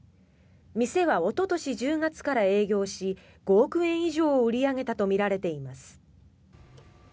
店は、おととし１０月から営業し５億円以上を売り上げたとみられています。